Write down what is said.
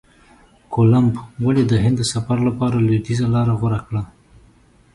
کولمب ولي د هند د سفر لپاره لویدیځه لاره غوره کړه؟